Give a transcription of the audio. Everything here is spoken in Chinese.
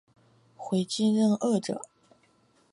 回京任谒者。